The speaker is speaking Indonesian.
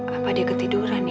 apa dia ketiduran ya